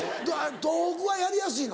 東北はやりやすいの？